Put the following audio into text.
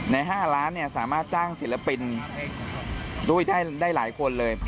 ใน๕ล้านเนี่ยสามารถจ้างศิลปินได้หลายคนเลย